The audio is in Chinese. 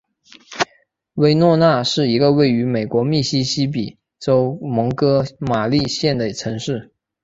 威诺纳是一个位于美国密西西比州蒙哥马利县的城市。